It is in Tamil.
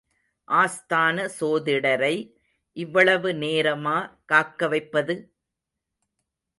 ஆஸ்தான சோதிடரை இவ்வளவு நேரமா காக்க வைப்பது?